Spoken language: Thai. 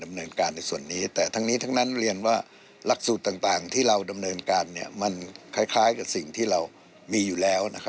มี๓๕กิโลเมตรแรก